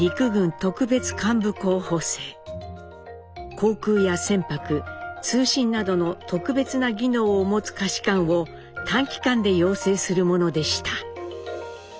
航空や船舶通信などの特別な技能を持つ下士官を短期間で養成するものでした。